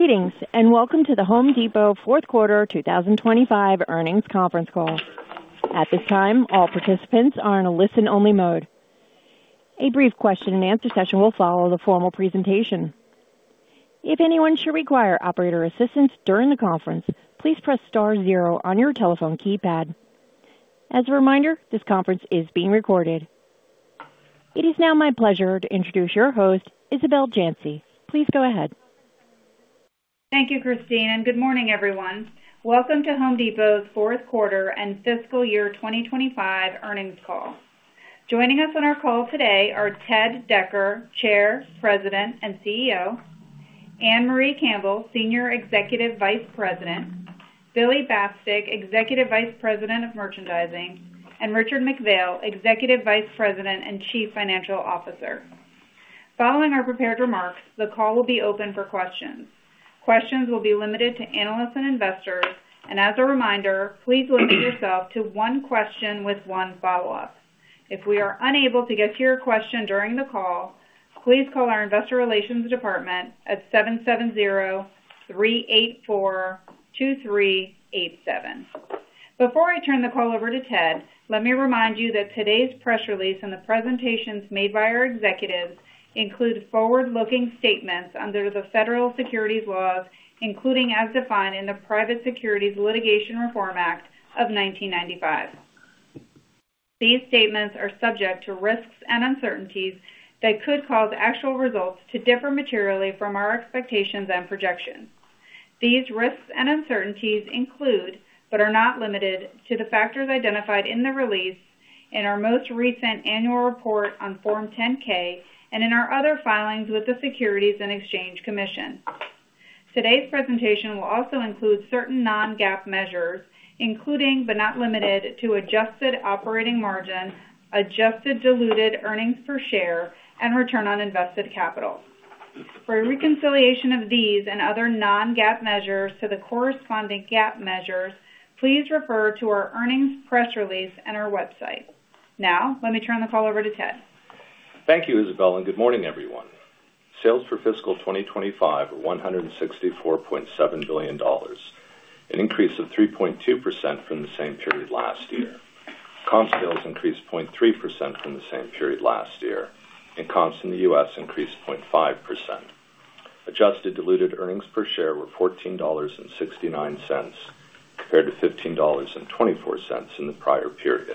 Greetings, and welcome to The Home Depot Fourth Quarter 2025 Earnings Conference Call. At this time, all participants are in a listen-only mode. A brief question-and-answer session will follow the formal presentation. If anyone should require operator assistance during the conference, please press star zero on your telephone keypad. As a reminder, this conference is being recorded. It is now my pleasure to introduce your host, Isabel Janci. Please go ahead. Thank you, Christine. Good morning, everyone. Welcome to The Home Depot's Fourth Quarter and Fiscal Year 2025 Earnings Call. Joining us on our call today are Ted Decker, Chair, President, and CEO, Ann-Marie Campbell, Senior Executive Vice President, Billy Bastek, Executive Vice President of Merchandising, and Richard McPhail, Executive Vice President and Chief Financial Officer. Following our prepared remarks, the call will be open for questions. Questions will be limited to analysts and investors, and as a reminder, please limit yourself to one question with one follow-up. If we are unable to get to your question during the call, please call our investor relations department at 770-384-2387. Before I turn the call over to Ted, let me remind you that today's press release and the presentations made by our executives include forward-looking statements under the federal securities laws, including as defined in the Private Securities Litigation Reform Act of 1995. These statements are subject to risks and uncertainties that could cause actual results to differ materially from our expectations and projections. These risks and uncertainties include, but are not limited to. The factors identified in the release in our most recent annual report on Form 10-K and in our other filings with the Securities and Exchange Commission. Today's presentation will also include certain non-GAAP measures, including, but not limited to, adjusted operating margin, adjusted diluted earnings per share, and return on invested capital. For a reconciliation of these and other non-GAAP measures to the corresponding GAAP measures, please refer to our earnings press release in our website. Now, let me turn the call over to Ted. Thank you, Isabel, and good morning, everyone. Sales for fiscal 2025 were $164.7 billion, an increase of 3.2% from the same period last year. Comp sales increased 0.3% from the same period last year, and comps in the U.S. increased 0.5%. Adjusted diluted earnings per share were $14.69, compared to $15.24 in the prior period.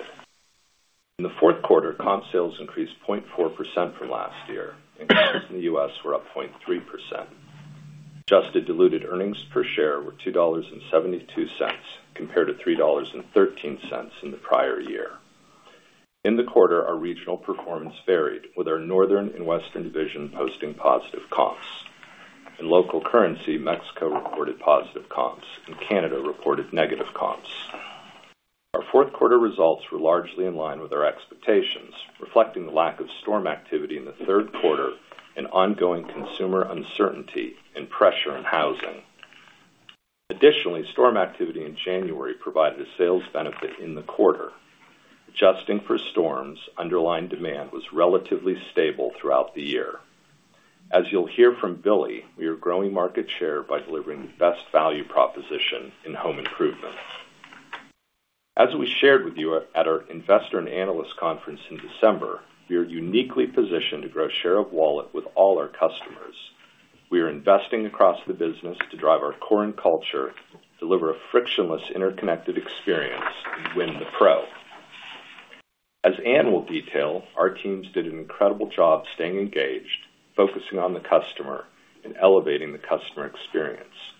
In the fourth quarter, comp sales increased 0.4% from last year, and comps in the U.S. were up 0.3%. Adjusted diluted earnings per share were $2.72, compared to $3.13 in the prior year. In the quarter, our regional performance varied, with our Northern and Western division posting positive comps. In local currency, Mexico reported positive comps and Canada reported negative comps. Our fourth quarter results were largely in line with our expectations, reflecting the lack of storm activity in the third quarter and ongoing consumer uncertainty and pressure in housing. Additionally, storm activity in January provided a sales benefit in the quarter. Adjusting for storms, underlying demand was relatively stable throughout the year. As you'll hear from Billy, we are growing market share by delivering the best value proposition in home improvements. As we shared with you at our Investor and Analyst Conference in December, we are uniquely positioned to grow share of wallet with all our customers. We are investing across the business to drive our core and culture, deliver a frictionless, interconnected experience, and win the pro. As Anne will detail, our teams did an incredible job staying engaged, focusing on the customer, and elevating the customer experience.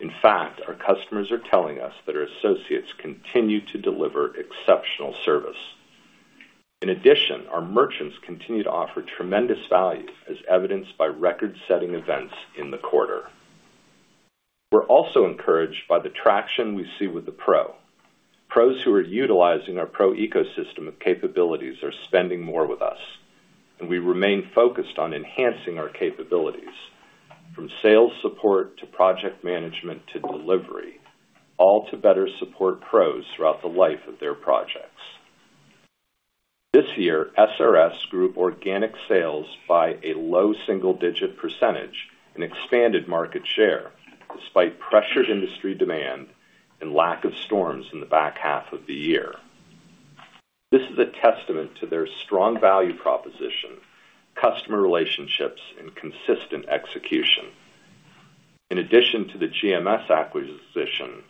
In fact, our customers are telling us that our associates continue to deliver exceptional service. In addition, our merchants continue to offer tremendous value, as evidenced by record-setting events in the quarter. We're also encouraged by the traction we see with the pro. Pros who are utilizing our pro ecosystem of capabilities are spending more with us, and we remain focused on enhancing our capabilities, from sales support to project management to delivery, all to better support pros throughout the life of their projects. This year, SRS grew organic sales by a low single-digit % and expanded market share, despite pressured industry demand and lack of storms in the back half of the year. This is a testament to their strong value proposition, customer relationships, and consistent execution. In addition to the GMS acquisition,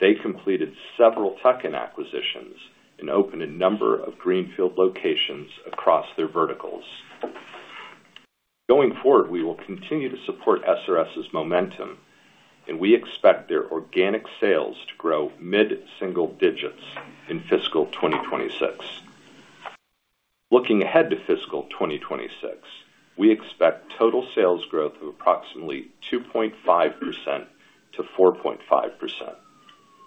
they completed several tuck-in acquisitions and opened a number of greenfield locations across their verticals. Going forward, we will continue to support SRS's momentum, and we expect their organic sales to grow mid-single digits in fiscal 2026. Looking ahead to fiscal 2026, we expect total sales growth of approximately 2.5%-4.5%,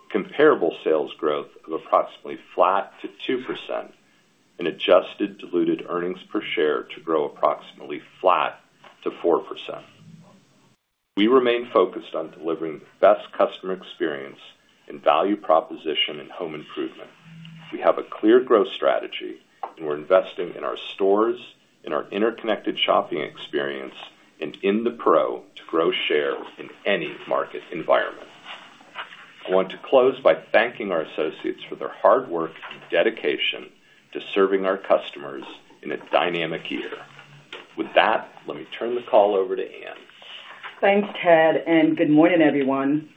comparable sales growth of approximately flat to 2%, and adjusted diluted earnings per share to grow approximately flat to 4%. We remain focused on delivering the best customer experience and value proposition in home improvement.... We have a clear growth strategy, and we're investing in our stores, in our interconnected shopping experience, and in the Pro to grow share in any market environment. I want to close by thanking our associates for their hard work and dedication to serving our customers in a dynamic year. With that, let me turn the call over to Anne. Thanks, Ted. Good morning, everyone.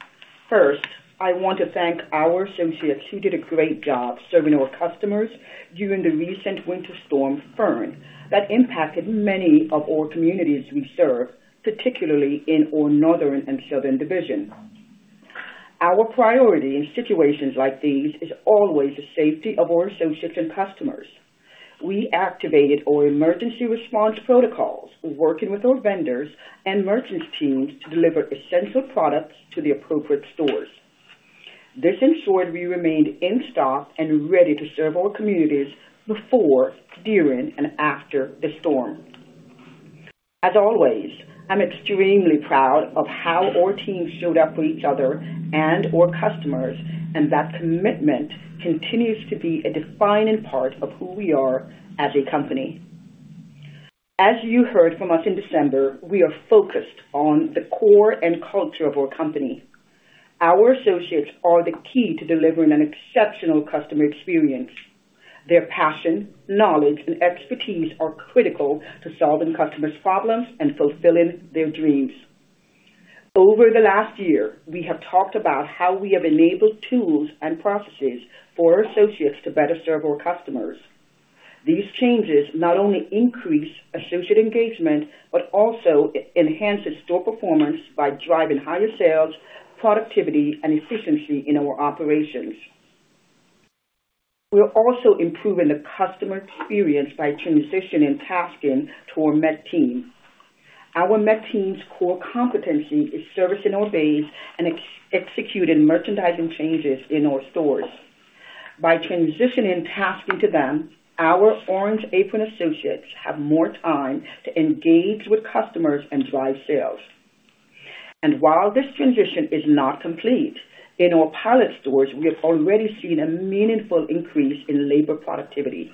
First, I want to thank our associates who did a great job serving our customers during the recent Winter Storm Fern that impacted many of our communities we serve, particularly in our northern and southern divisions. Our priority in situations like these is always the safety of our associates and customers. We activated our emergency response protocols, working with our vendors and merchants teams to deliver essential products to the appropriate stores. This ensured we remained in stock and ready to serve our communities before, during, and after the storm. As always, I'm extremely proud of how our team showed up for each other and our customers. That commitment continues to be a defining part of who we are as a company. As you heard from us in December, we are focused on the core and culture of our company. Our associates are the key to delivering an exceptional customer experience. Their passion, knowledge, and expertise are critical to solving customers' problems and fulfilling their dreams. Over the last year, we have talked about how we have enabled tools and processes for our associates to better serve our customers. These changes not only increase associate engagement, but also it enhances store performance by driving higher sales, productivity, and efficiency in our operations. We're also improving the customer experience by transitioning tasking to our MET team. Our MET team's core competency is servicing our base and executing merchandising changes in our stores. By transitioning tasking to them, our Orange Apron associates have more time to engage with customers and drive sales. While this transition is not complete, in our pilot stores, we have already seen a meaningful increase in labor productivity.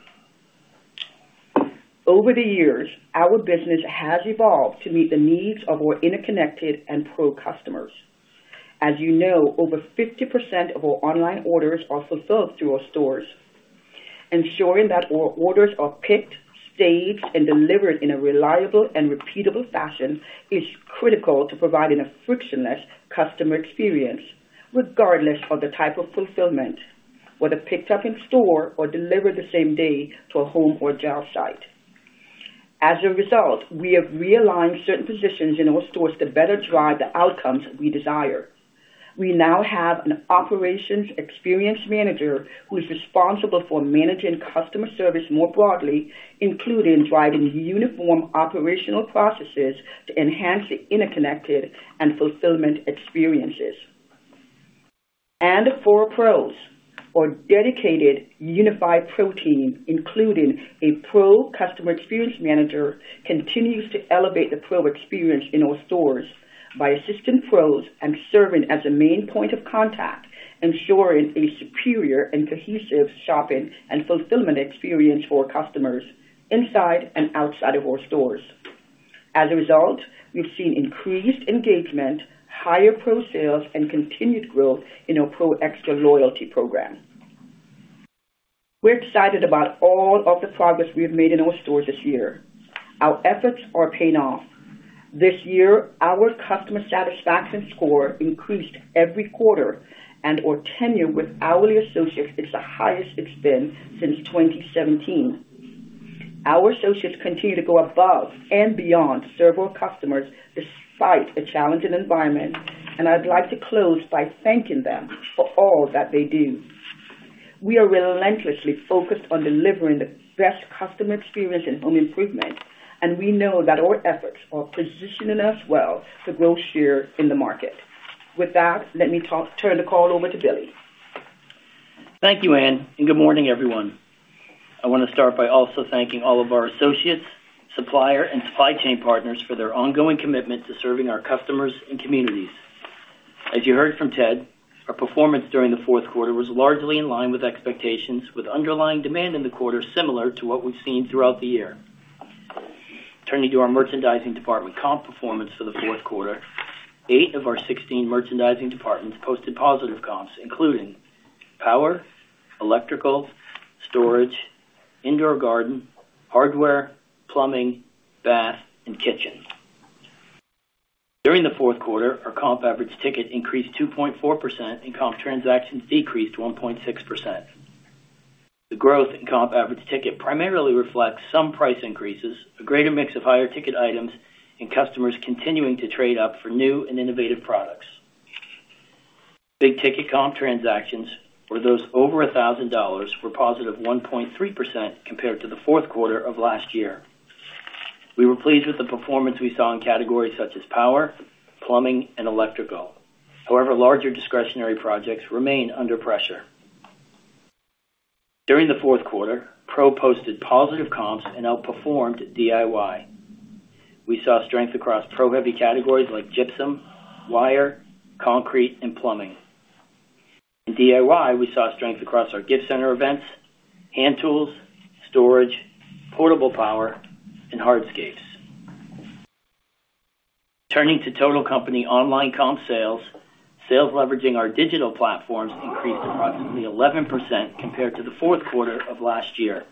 Over the years, our business has evolved to meet the needs of our interconnected and Pro customers. As you know, over 50% of our online orders are fulfilled through our stores. Ensuring that our orders are picked, staged, and delivered in a reliable and repeatable fashion is critical to providing a frictionless customer experience, regardless of the type of fulfillment, whether picked up in store or delivered the same day to a home or job site. As a result, we have realigned certain positions in our stores to better drive the outcomes we desire. We now have an operations experience manager who is responsible for managing customer service more broadly, including driving uniform operational processes to enhance the interconnected and fulfillment experiences. For Pros, our dedicated unified Pro team, including a Pro customer experience manager, continues to elevate the Pro experience in our stores by assisting Pros and serving as a main point of contact, ensuring a superior and cohesive shopping and fulfillment experience for our customers inside and outside of our stores. As a result, we've seen increased engagement, higher Pro sales, and continued growth in our Pro Xtra loyalty program. We're excited about all of the progress we have made in our stores this year. Our efforts are paying off. This year, our customer satisfaction score increased every quarter, and our tenure with hourly associates is the highest it's been since 2017. Our associates continue to go above and beyond to serve our customers despite a challenging environment, and I'd like to close by thanking them for all that they do. We are relentlessly focused on delivering the best customer experience in home improvement, and we know that our efforts are positioning us well to grow share in the market. With that, let me turn the call over to Billy. Thank you, Anne. Good morning, everyone. I want to start by also thanking all of our associates, supplier, and supply chain partners for their ongoing commitment to serving our customers and communities. As you heard from Ted, our performance during the fourth quarter was largely in line with expectations, with underlying demand in the quarter similar to what we've seen throughout the year. Turning to our merchandising department comp performance for the fourth quarter, eight of our 16 merchandising departments posted positive comps, including power, electrical, storage, indoor garden, hardware, plumbing, bath, and kitchen. During the fourth quarter, our comp average ticket increased 2.4%, and comp transactions decreased 1.6%. The growth in comp average ticket primarily reflects some price increases, a greater mix of higher ticket items, and customers continuing to trade up for new and innovative products. Big ticket comp transactions for those over $1,000 were positive 1.3% compared to the fourth quarter of last year. We were pleased with the performance we saw in categories such as power, plumbing, and electrical. Larger discretionary projects remain under pressure. During the fourth quarter, Pro posted positive comps and outperformed DIY. We saw strength across pro-heavy categories like gypsum, wire, concrete, and plumbing. In DIY, we saw strength across our gift center events, hand tools, storage, portable power, and hardscapes. Turning to total company online comp sales leveraging our digital platforms increased approximately 11% compared to the fourth quarter of last year.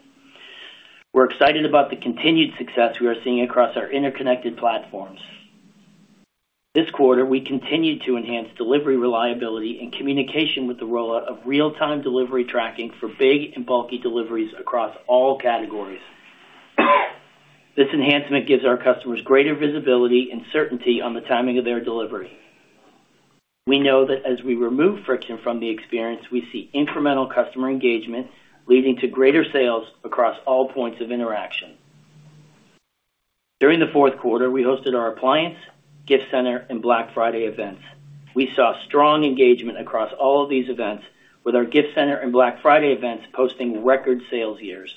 We're excited about the continued success we are seeing across our interconnected platforms. This quarter, we continued to enhance delivery, reliability, and communication with the rollout of real-time delivery tracking for big and bulky deliveries across all categories. This enhancement gives our customers greater visibility and certainty on the timing of their delivery. We know that as we remove friction from the experience, we see incremental customer engagement, leading to greater sales across all points of interaction. During the fourth quarter, we hosted our appliance, gift center, and Black Friday events. We saw strong engagement across all of these events, with our gift center and Black Friday events posting record sales years.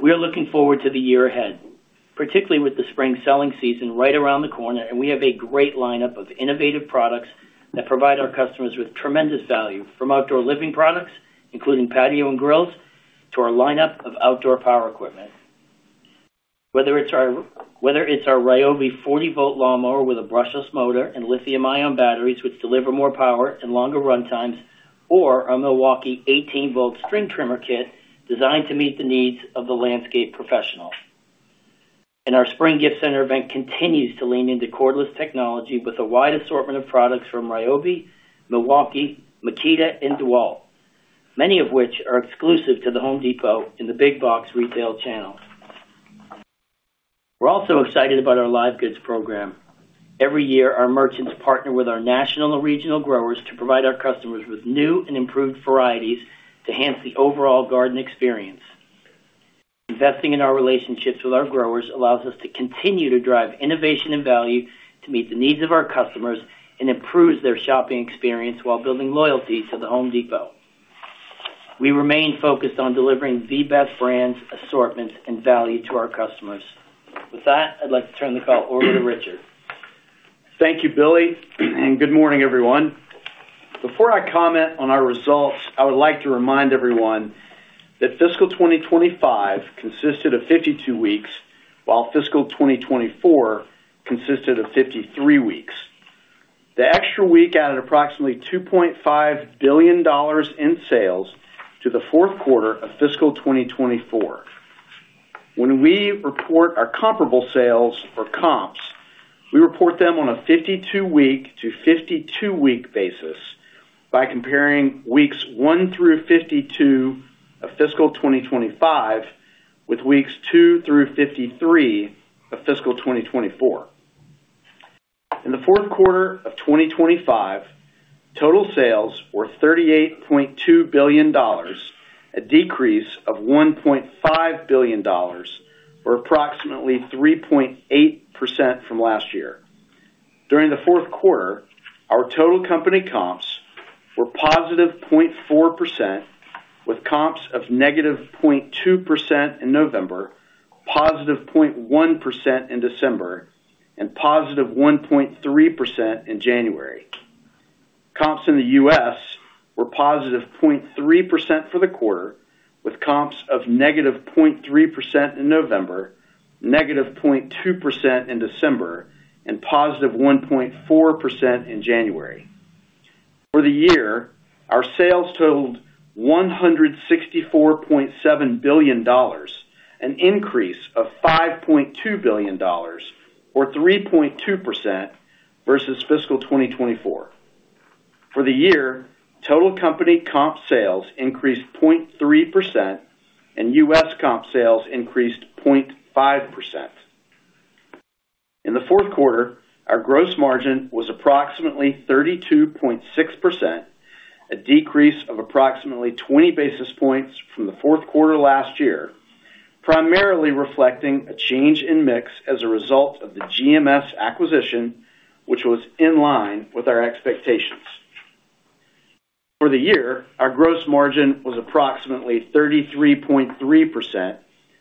We are looking forward to the year ahead, particularly with the spring selling season right around the corner, and we have a great lineup of innovative products that provide our customers with tremendous value, from outdoor living products, including patio and grills, to our lineup of outdoor power equipment. Whether it's our Ryobi 40-volt lawnmower with a brushless motor and lithium-ion batteries, which deliver more power and longer runtimes, or our Milwaukee 18-volt string trimmer kit, designed to meet the needs of the landscape professionals. Our spring gift center event continues to lean into cordless technology with a wide assortment of products from Ryobi, Milwaukee, Makita, and DeWalt, many of which are exclusive to The Home Depot in the big box retail channel. We're also excited about our live goods program. Every year, our merchants partner with our national and regional growers to provide our customers with new and improved varieties to enhance the overall garden experience. Investing in our relationships with our growers allows us to continue to drive innovation and value to meet the needs of our customers and improves their shopping experience while building loyalty to The Home Depot. We remain focused on delivering the best brands, assortment, and value to our customers. With that, I'd like to turn the call over to Richard. Thank you, Billy. Good morning, everyone. Before I comment on our results, I would like to remind everyone that fiscal 2025 consisted of 52 weeks, while fiscal 2024 consisted of 53 weeks. The extra week added approximately $2.5 billion in sales to the fourth quarter of fiscal 2024. When we report our comparable sales or comps, we report them on a 52-week to 52-week basis by comparing weeks one through 52 of fiscal 2025 with weeks two through 53 of fiscal 2024. In the fourth quarter of 2025, total sales were $38.2 billion, a decrease of $1.5 billion, or approximately 3.8% from last year. During the fourth quarter, our total company comps were positive 0.4%, with comps of negative 0.2% in November, positive 0.1% in December, and positive 1.3% in January. Comps in the U.S. were positive 0.3% for the quarter, with comps of negative 0.3% in November, negative 0.2% in December, and positive 1.4% in January. For the year, our sales totaled $164.7 billion, an increase of $5.2 billion, or 3.2% versus fiscal 2024. For the year, total company comp sales increased 0.3%, and U.S. comp sales increased 0.5%. In the fourth quarter, our gross margin was approximately 32.6%, a decrease of approximately 20 basis points from the fourth quarter last year, primarily reflecting a change in mix as a result of the GMS acquisition, which was in line with our expectations. For the year, our gross margin was approximately 33.3%,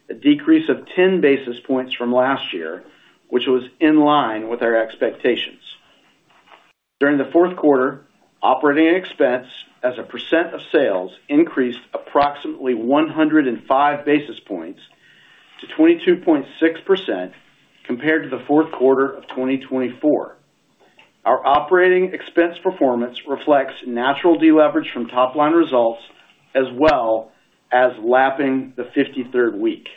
a decrease of 10 basis points from last year, which was in line with our expectations. During the fourth quarter, operating expense as a percent of sales increased approximately 105 basis points to 22.6% compared to the fourth quarter of 2024. Our operating expense performance reflects natural deleverage from top-line results as well as lapping the 53rd week.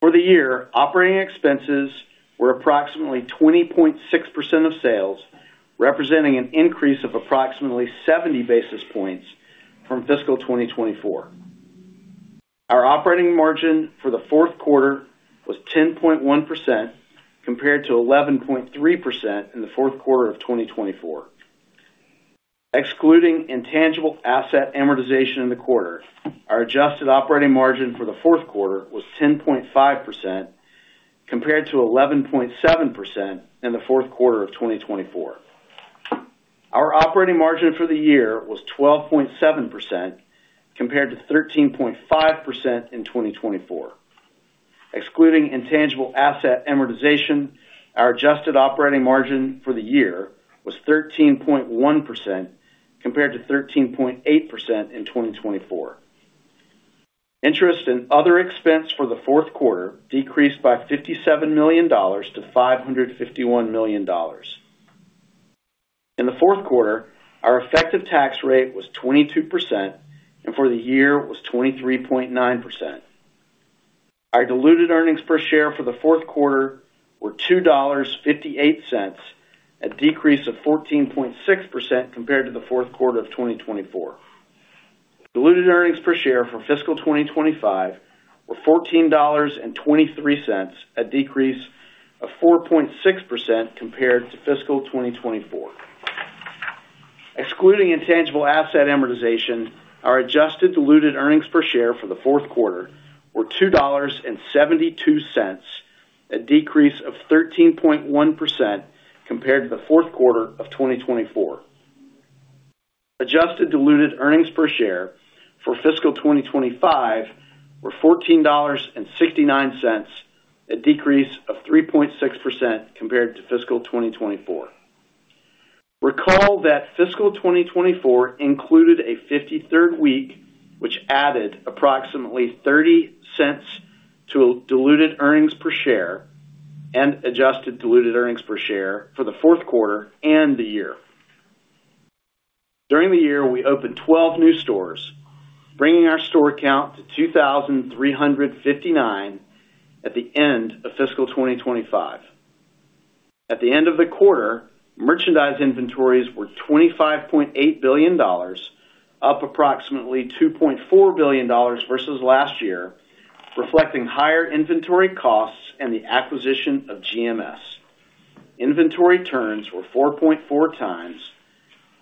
For the year, operating expenses were approximately 20.6% of sales, representing an increase of approximately 70 basis points from fiscal 2024. Our operating margin for the fourth quarter was 10.1%, compared to 11.3% in the fourth quarter of 2024. Excluding intangible asset amortization in the quarter, our adjusted operating margin for the fourth quarter was 10.5%, compared to 11.7% in the fourth quarter of 2024. Our operating margin for the year was 12.7%, compared to 13.5% in 2024. Excluding intangible asset amortization, our adjusted operating margin for the year was 13.1%, compared to 13.8% in 2024. Interest and other expense for the fourth quarter decreased by $57 million to $551 million. In the fourth quarter, our effective tax rate was 22%, and for the year was 23.9%. Our diluted earnings per share for the fourth quarter were $2.58, a decrease of 14.6% compared to the fourth quarter of 2024. Diluted earnings per share for fiscal 2025 were $14.23, a decrease of 4.6% compared to fiscal 2024. Excluding intangible asset amortization, our adjusted diluted earnings per share for the fourth quarter were $2.72, a decrease of 13.1% compared to the fourth quarter of 2024. Adjusted diluted earnings per share for fiscal 2025 were $14.69, a decrease of 3.6% compared to fiscal 2024. Recall that fiscal 2024 included a 53rd week, which added approximately $0.30 to diluted earnings per share and adjusted diluted earnings per share for the fourth quarter and the year. During the year, we opened 12 new stores, bringing our store count to 2,359 at the end of fiscal 2025. At the end of the quarter, merchandise inventories were $25.8 billion, up approximately $2.4 billion versus last year, reflecting higher inventory costs and the acquisition of GMS. Inventory turns were 4.4 times,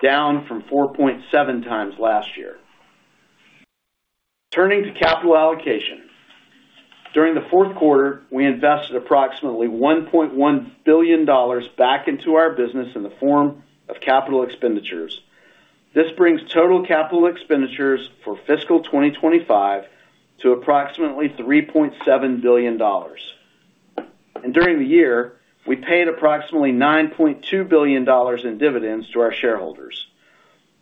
down from 4.7 times last year. Turning to capital allocation. During the fourth quarter, we invested approximately $1.1 billion back into our business in the form of capital expenditures. This brings total capital expenditures for fiscal 2025 to approximately $3.7 billion. During the year, we paid approximately $9.2 billion in dividends to our shareholders.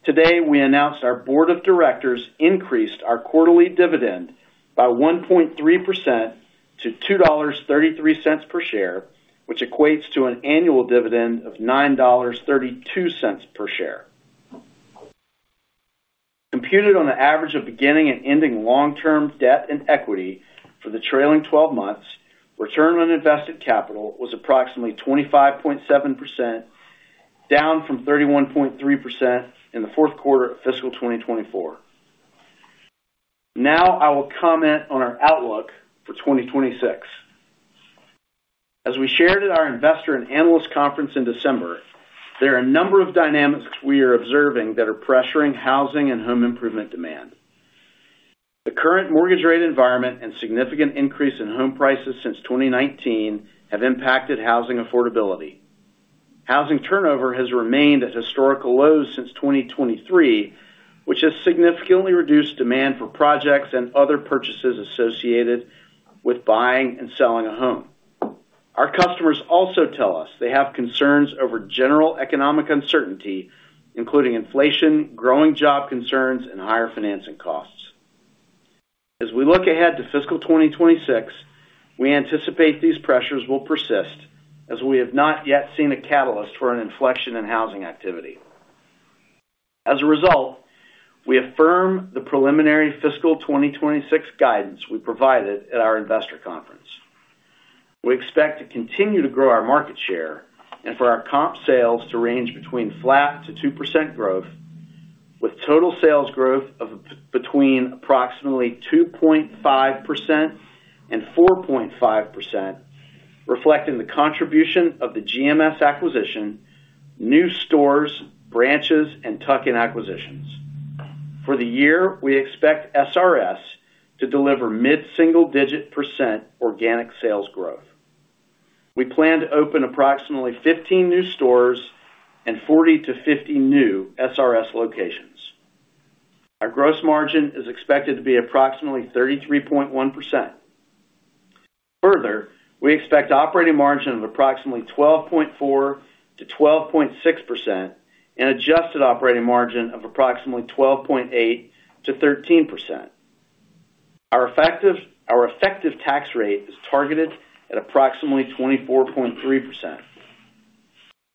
Today, we announced our board of directors increased our quarterly dividend by 1.3% to $2.33 per share, which equates to an annual dividend of $9.32 per share. Computed on an average of beginning and ending long-term debt and equity for the trailing 12 months, return on invested capital was approximately 25.7%, down from 31.3% in the fourth quarter of fiscal 2024. I will comment on our outlook for 2026. As we shared at our Investor and Analyst Conference in December, there are a number of dynamics we are observing that are pressuring housing and home improvement demand. The current mortgage rate environment and significant increase in home prices since 2019 have impacted housing affordability. Housing turnover has remained at historical lows since 2023, which has significantly reduced demand for projects and other purchases associated with buying and selling a home. Our customers also tell us they have concerns over general economic uncertainty, including inflation, growing job concerns, and higher financing costs. As we look ahead to fiscal 2026, we anticipate these pressures will persist, as we have not yet seen a catalyst for an inflection in housing activity. As a result, we affirm the preliminary fiscal 2026 guidance we provided at our investor conference. We expect to continue to grow our market share and for our comp sales to range between flat to 2% growth, with total sales growth of between approximately 2.5% and 4.5%, reflecting the contribution of the GMS acquisition, new stores, branches, and tuck-in acquisitions. For the year, we expect SRS to deliver mid-single-digit % organic sales growth. We plan to open approximately 15 new stores and 40-50 new SRS locations. Our gross margin is expected to be approximately 33.1%. Further, we expect operating margin of approximately 12.4%-12.6% and adjusted operating margin of approximately 12.8%-13%. Our effective tax rate is targeted at approximately 24.3%.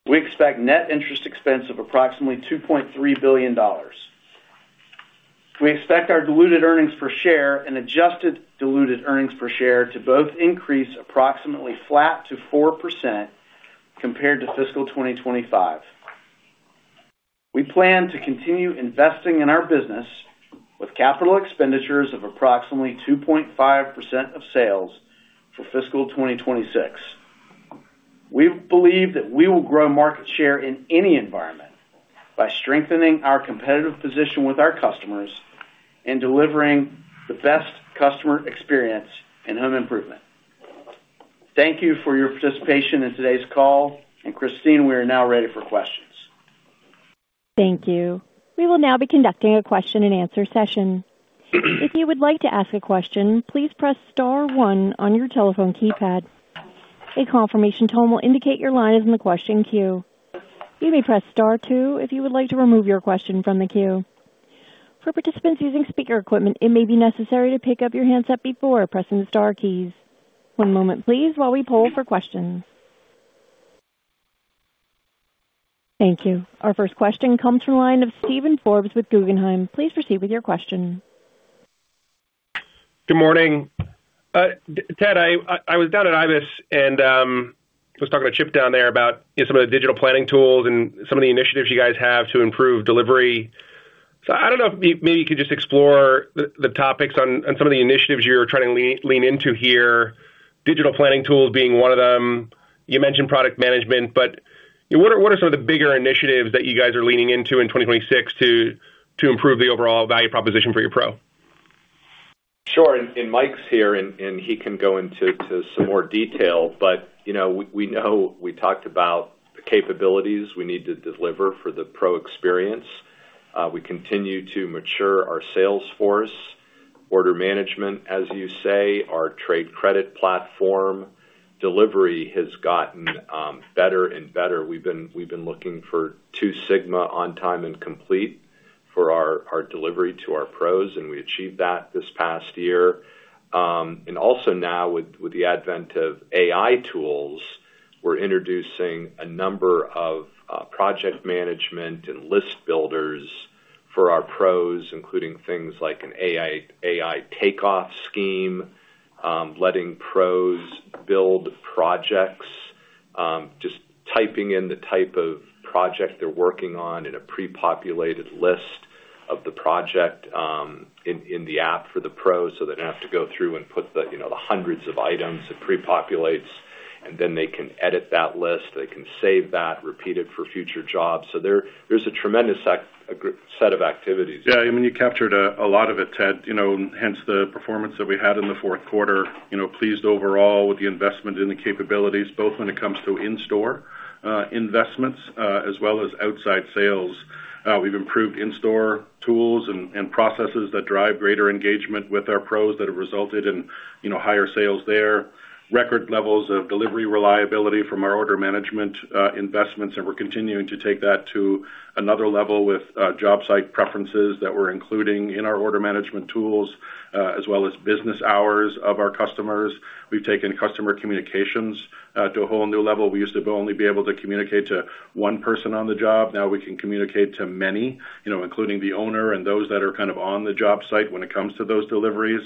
We expect net interest expense of approximately $2.3 billion. We expect our diluted earnings per share and adjusted diluted earnings per share to both increase approximately flat to 4% compared to fiscal 2025. We plan to continue investing in our business with capital expenditures of approximately 2.5% of sales for fiscal 2026. We believe that we will grow market share in any environment by strengthening our competitive position with our customers and delivering the best customer experience in home improvement. Thank you for your participation in today's call, and Christine, we are now ready for questions. Thank you. We will now be conducting a question-and-answer session. If you would like to ask a question, please press star one on your telephone keypad. A confirmation tone will indicate your line is in the question queue. You may press star two if you would like to remove your question from the queue. For participants using speaker equipment, it may be necessary to pick up your handset before pressing the star keys. One moment, please, while we poll for questions. Thank you. Our first question comes from the line of Steven Forbes with Guggenheim. Please proceed with your question. Good morning. Ted, I was down at IBS, and was talking to Chip down there about some of the digital planning tools and some of the initiatives you guys have to improve delivery. I don't know if maybe you could just explore the topics on some of the initiatives you're trying to lean into here, digital planning tools being one of them. You mentioned product management, but what are some of the bigger initiatives that you guys are leaning into in 2026 to improve the overall value proposition for your pro? Sure. Mike's here, and he can go into some more detail, but, you know, we know we talked about the capabilities we need to deliver for the pro experience. We continue to mature our sales force, order management, as you say, our trade credit platform. Delivery has gotten better and better. We've been looking for Two Sigma on time and complete for our delivery to our pros, and we achieved that this past year. Also now, with the advent of AI tools, we're introducing a number of project management and list builders for our pros, including things like an AI takeoff scheme, letting pros build projects, just typing in the type of project they're working on in a pre-populated list of the project, in the app for the pros, so they don't have to go through and put the, you know, the hundreds of items. It pre-populates, and then they can edit that list, they can save that, repeat it for future jobs. There's a tremendous set of activities. I mean, you captured a lot of it, Ted. You know, hence the performance that we had in the fourth quarter. You know, pleased overall with the investment in the capabilities, both when it comes to in-store investments, as well as outside sales. We've improved in-store tools and processes that drive greater engagement with our Pros that have resulted in, you know, higher sales there. Record levels of delivery reliability from our order management investments, and we're continuing to take that to another level with job site preferences that we're including in our order management tools, as well as business hours of our customers. We've taken customer communications to a whole new level. We used to only be able to communicate to one person on the job. Now we can communicate to many, you know, including the owner and those that are kind of on the job site when it comes to those deliveries.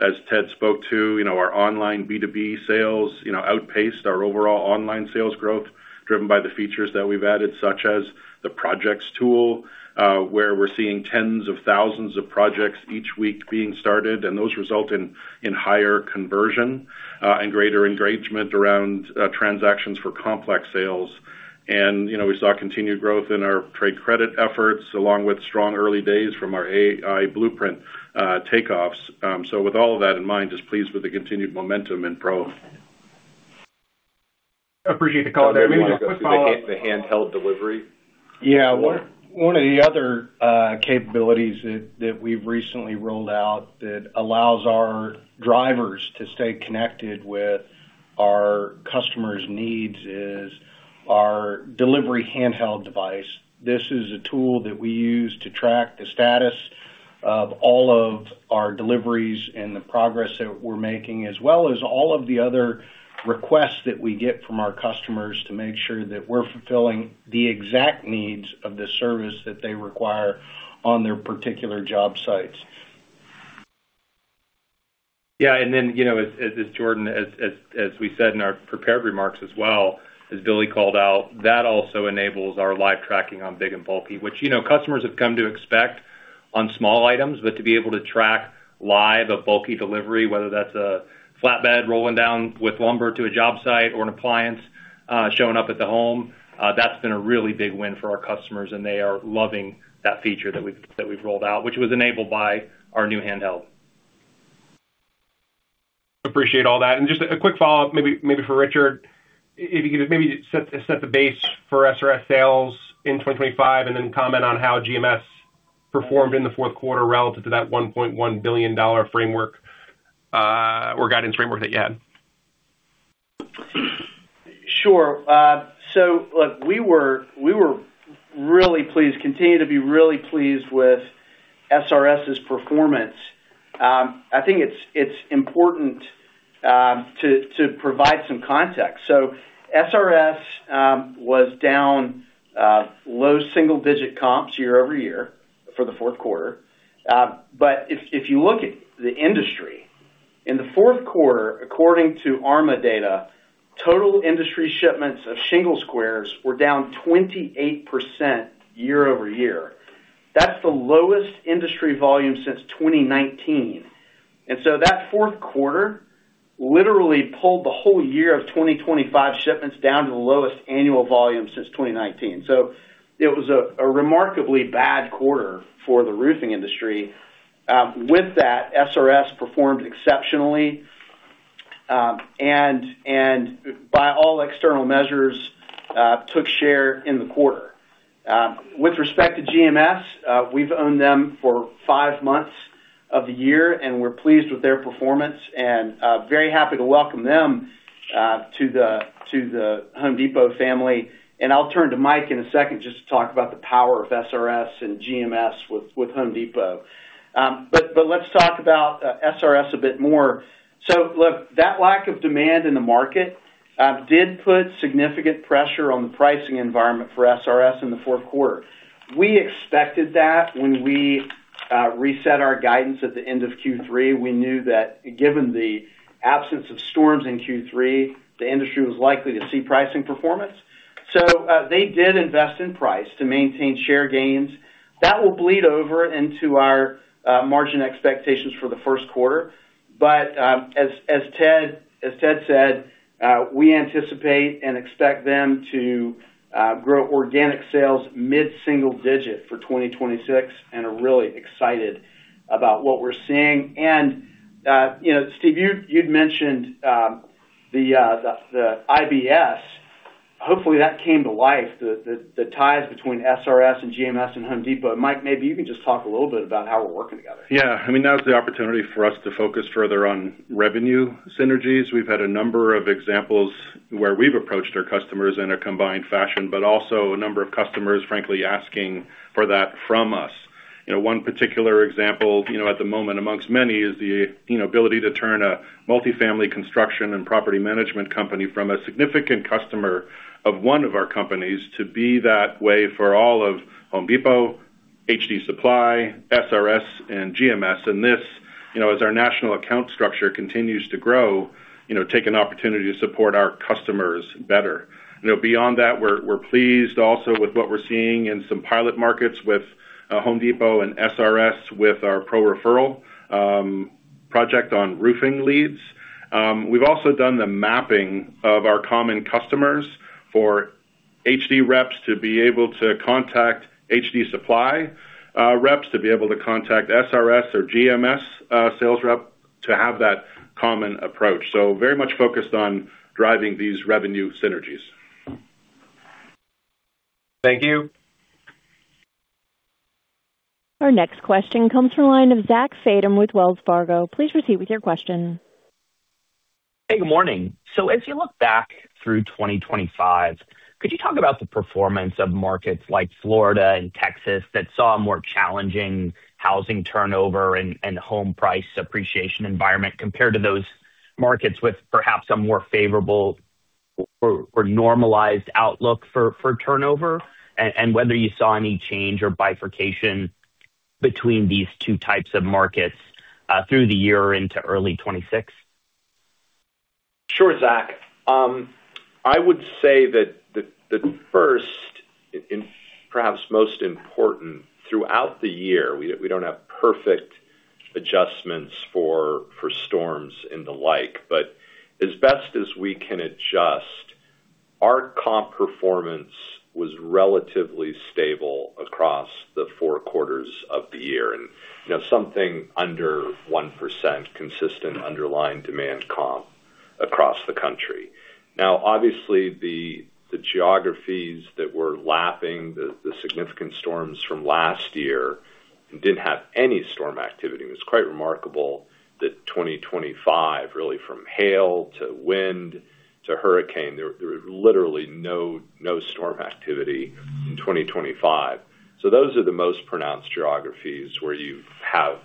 As Ted spoke to, you know, our online B2B sales, you know, outpaced our overall online sales growth, driven by the features that we've added, such as the projects tool, where we're seeing tens of thousands of projects each week being started, and those result in higher conversion, and greater engagement around, transactions for complex sales. We saw continued growth in our trade credit efforts, along with strong early days from our AI Blueprint takeoffs. With all of that in mind, just pleased with the continued momentum in Pro. Appreciate the call. Do you want to go through the handheld delivery? One of the other capabilities that we've recently rolled out that allows our drivers to stay connected with our customers' needs is our delivery handheld device. This is a tool that we use to track the status of all of our deliveries and the progress that we're making, as well as all of the other requests that we get from our customers to make sure that we're fulfilling the exact needs of the service that they require on their particular job sites. Yeah, you know, as Jordan, as we said in our prepared remarks as well, as Billy Bastek called out, that also enables our live tracking on big and bulky, which, you know, customers have come to expect on small items. To be able to track live a bulky delivery, whether that's a flatbed rolling down with lumber to a job site or an appliance, showing up at the home, that's been a really big win for our customers, and they are loving that feature that we've rolled out, which was enabled by our new handheld. Appreciate all that. Just a quick follow-up, maybe for Richard, if you could set the base for SRS sales in 2025, comment on how GMS performed in the fourth quarter relative to that $1.1 billion framework or guidance framework that you had? Sure. Look, we were really pleased, continue to be really pleased with SRS's performance. I think it's important to provide some context. SRS was down low single-digit comps year-over-year for the fourth quarter. If you look at the industry, in the fourth quarter, according to ARMA data, total industry shipments of shingle squares were down 28% year-over-year. That's the lowest industry volume since 2019. That fourth quarter literally pulled the whole year of 2025 shipments down to the lowest annual volume since 2019. It was a remarkably bad quarter for the roofing industry. With that, SRS performed exceptionally, and by all external measures, took share in the quarter. With respect to GMS, we've owned them for five months of the year, and we're pleased with their performance, and very happy to welcome them to The Home Depot family. I'll turn to Mike in a second just to talk about the power of SRS and GMS with Home Depot. Let's talk about SRS a bit more. Look, that lack of demand in the market, did put significant pressure on the pricing environment for SRS in the fourth quarter. We expected that when we reset our guidance at the end of Q3, we knew that given the absence of storms in Q3, the industry was likely to see pricing performance. They did invest in price to maintain share gains. That will bleed over into our margin expectations for the first quarter. As Ted said, we anticipate and expect them to grow organic sales mid-single digit for 2026, and are really excited about what we're seeing. You know, Steve, you'd mentioned the IBS. Hopefully, that came to life, the ties between SRS and GMS and The Home Depot. Mike, maybe you can just talk a little bit about how we're working together. Yeah, I mean, that was the opportunity for us to focus further on revenue synergies. We've had a number of examples where we've approached our customers in a combined fashion, but also a number of customers, frankly, asking for that from us. You know, one particular example, you know, at the moment, amongst many, is the, you know, ability to turn a multifamily construction and property management company from a significant customer of one of our companies to be that way for all of Home Depot, HD Supply, SRS, and GMS. This, you know, as our national account structure continues to grow, you know, take an opportunity to support our customers better. You know, beyond that, we're pleased also with what we're seeing in some pilot markets with Home Depot and SRS, with our Pro Referral project on roofing leads. We've also done the mapping of our common customers for HD reps to be able to contact HD Supply, reps to be able to contact SRS or GMS, sales rep to have that common approach. Very much focused on driving these revenue synergies. Thank you. Our next question comes from the line of Zach Fadem with Wells Fargo. Please proceed with your question. Hey, good morning. As you look back through 2025, could you talk about the performance of markets like Florida and Texas that saw a more challenging housing turnover and home price appreciation environment, compared to those markets with perhaps a more favorable or normalized outlook for turnover, and whether you saw any change or bifurcation between these two types of markets through the year into early 2026? Sure, Zach. I would say that the first and perhaps most important throughout the year, we don't have perfect adjustments for storms and the like, but as best as we can adjust, our comp performance was relatively stable across the four quarters of the year, and, you know, something under 1%, consistent underlying demand comp across the country. Obviously, the geographies that were lapping the significant storms from last year and didn't have any storm activity, was quite remarkable that 2025, really, from hail to wind to hurricane, there was literally no storm activity in 2025. Those are the most pronounced geographies where you have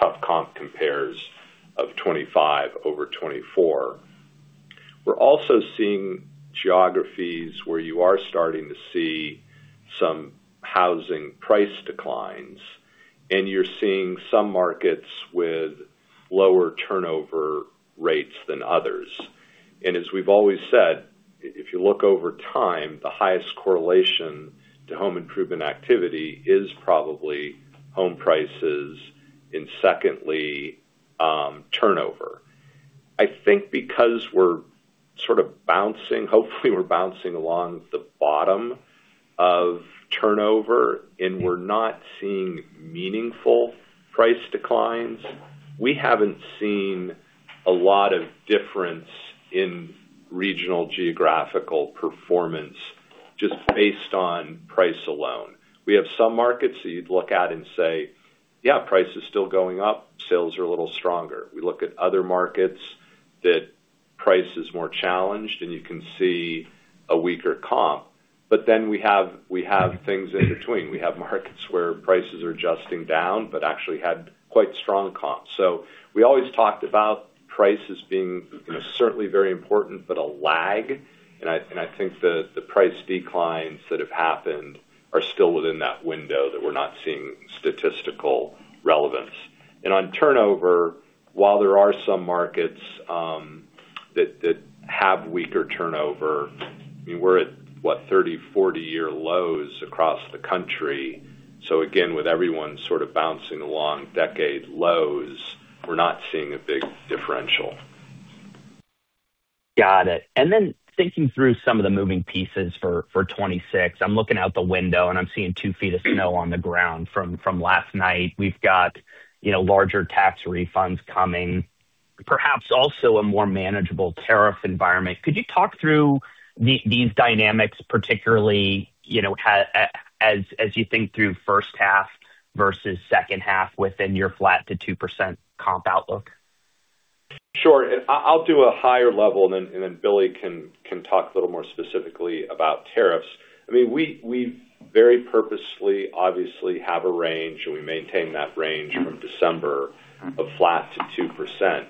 tough comp compares of 25 over 24. We're also seeing geographies where you are starting to see some housing price declines, and you're seeing some markets with lower turnover rates than others. As we've always said, if you look over time, the highest correlation to home improvement activity is probably home prices, and secondly, turnover. I think because we're sort of bouncing, hopefully we're bouncing along the bottom of turnover, and we're not seeing meaningful price declines, we haven't seen a lot of difference in regional geographical performance just based on price alone. We have some markets that you'd look at and say, "Yeah, price is still going up, sales are a little stronger." We look at other markets that price is more challenged, and you can see a weaker comp. We have things in between. We have markets where prices are adjusting down, but actually had quite strong comps. We always talked about prices being, you know, certainly very important, but a lag, and I think the price declines that have happened are still within that window, that we're not seeing statistical relevance. On turnover, while there are some markets that have weaker turnover, I mean, we're at, what, 30, 40-year lows across the country. Again, with everyone sort of bouncing along decade lows, we're not seeing a big differential. Got it. Thinking through some of the moving pieces for 2026, I'm looking out the window, and I'm seeing two feet of snow on the ground from last night. We've got, you know, larger tax refunds coming, perhaps also a more manageable tariff environment. Could you talk through these dynamics, particularly, you know, as you think through first half versus second half within your flat to 2% comp outlook? Sure. I'll do a higher level, and then Billy can talk a little more specifically about tariffs. I mean, we very purposefully, obviously, have a range, and we maintain that range from December of flat to 2%.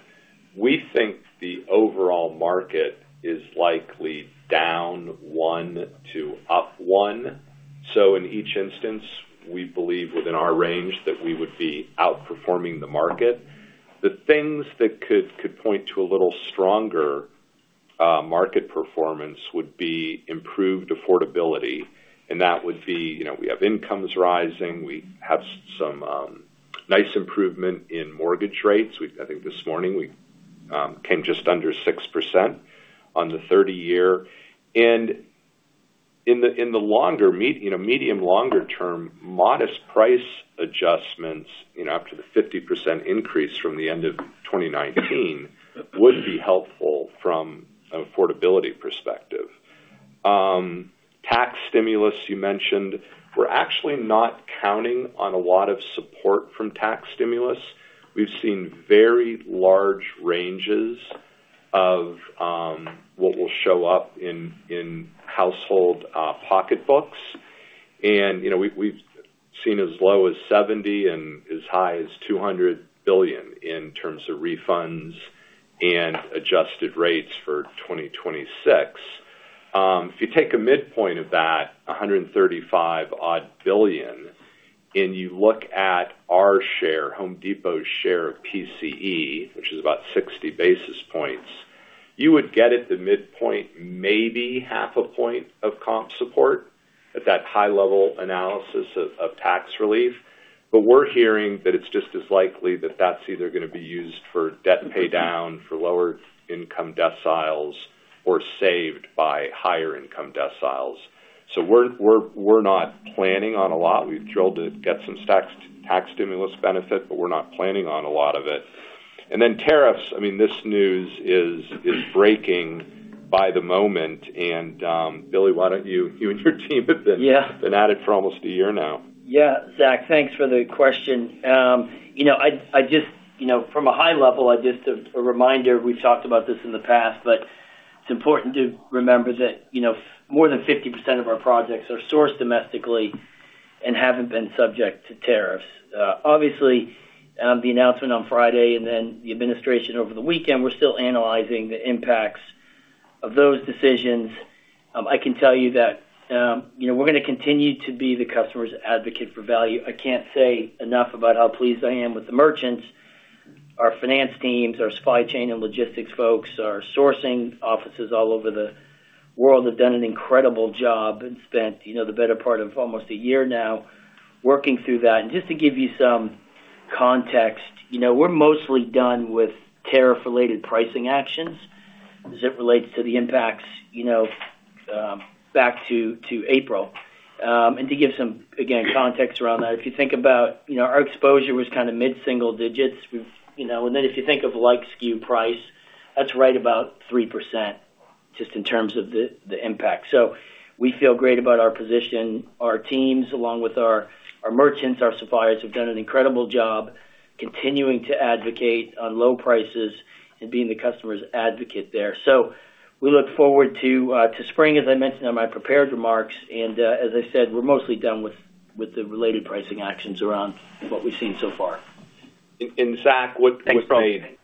We think the overall market is likely down one to up one. In each instance, we believe within our range that we would be outperforming the market. The things that could point to a little stronger market performance would be improved affordability, and that would be, you know, we have incomes rising, we have some nice improvement in mortgage rates. I think this morning, we came just under 6% on the 30-year. In the, in the longer you know, medium, longer term, modest price adjustments, you know, after the 50% increase from the end of 2019, would be helpful from an affordability perspective. Tax stimulus, you mentioned, we're actually not counting on a lot of support from tax stimulus. We've seen very large ranges of what will show up in household pocketbooks. You know, we've seen as low as 70 and as high as $200 billion in terms of refunds and adjusted rates for 2026. If you take a midpoint of that, $135 odd billion, and you look at our share, The Home Depot's share of PCE, which is about 60 basis points, you would get at the midpoint, maybe half a point of comp support at that high level analysis of tax relief. We're hearing that it's just as likely that that's either going to be used for debt pay down, for lower income deciles, or saved by higher income deciles. We're not planning on a lot. We've drilled to get some tax stimulus benefit, but we're not planning on a lot of it. Tariffs, I mean, this news is breaking by the moment. Billy, why don't you and your team have been. Yeah. Been at it for almost a year now. Zach, thanks for the question. You know, I just, you know, from a high level, just a reminder, we've talked about this in the past, but it's important to remember that, you know, more than 50% of our projects are sourced domestically and haven't been subject to tariffs. Obviously, the announcement on Friday and then the administration over the weekend, we're still analyzing the impacts of those decisions. I can tell you that, you know, we're gonna continue to be the customer's advocate for value. I can't say enough about how pleased I am with the merchants, our finance teams, our supply chain and logistics folks, our sourcing offices all over the world have done an incredible job and spent, you know, the better part of almost a year now working through that. Just to give you some context, you know, we're mostly done with tariff-related pricing actions as it relates to the impacts, you know, back to April. To give some, again, context around that, if you think about, you know, our exposure was kind of mid-single digits. You know, and then if you think of like SKU price, that's right about 3%, just in terms of the impact. We feel great about our position. Our teams, along with our merchants, our suppliers, have done an incredible job continuing to advocate on low prices and being the customer's advocate there. We look forward to spring, as I mentioned in my prepared remarks, and, as I said, we're mostly done with the related pricing actions around what we've seen so far. Zach, what. Thanks, Zach.